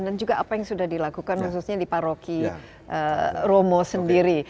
dan juga apa yang sudah dilakukan khususnya di paroki romo sendiri